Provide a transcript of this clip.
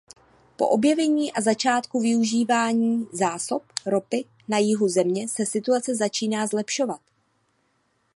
Po objevení a začátku využívání zásob ropy na jihu země se situace začíná zlepšovat.